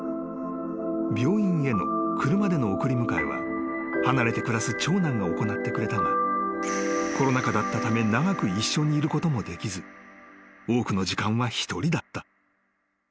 ［病院への車での送り迎えは離れて暮らす長男が行ってくれたがコロナ禍だったため長く一緒にいることもできず多くの時間は一人だった］